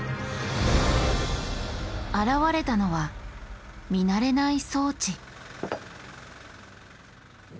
現れたのは見慣れない装置。